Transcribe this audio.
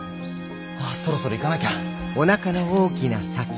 そろそろ行かなきゃ。